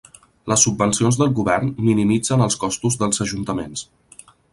Les subvencions del govern minimitzen els costos pels ajuntaments.